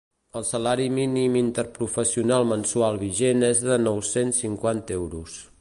El salari mínim interprofessional mensual vigent és de nou-cents cinquanta euros.